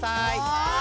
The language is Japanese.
はい！